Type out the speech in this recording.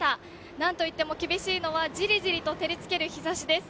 何といっても、厳しいのはじりじりと照りつける日差しです。